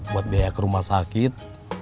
buat biaya ke rumah sakit